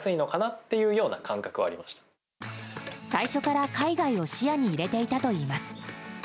最初から海外を視野に入れていたといいます。